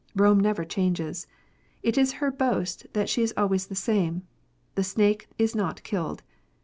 Rome never changes. It is her boast that she is always the same. The snake is not killed.